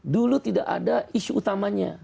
dulu tidak ada isu utamanya